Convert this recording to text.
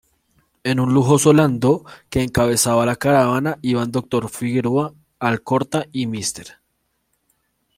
En un lujoso landó que encabezaba la caravana iban el Dr. Figueroa Alcorta, Mr.